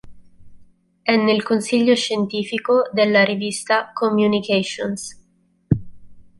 È nel consiglio scientifico della rivista "Communications".